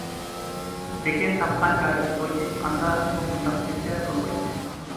لېكىن تاپقان چارىسى بويىچە ئېيتقاندا ئۇ بۇنداق دېسە بولمايتتى.